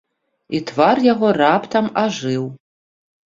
І твар яго раптам ажыў.